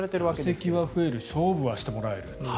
打席は増える勝負してもらえる。